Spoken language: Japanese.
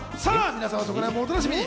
そのへんもお楽しみに。